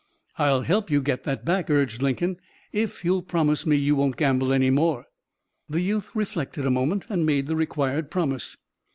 "I'll help you get that back," urged Lincoln, "if you'll promise me you won't gamble any more." The youth reflected a moment and made the required promise.